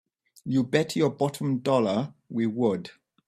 You bet your bottom dollar we would!